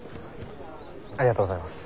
ありがとうございます。